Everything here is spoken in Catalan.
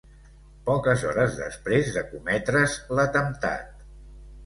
Poques hores després de cometre's l'atemptat.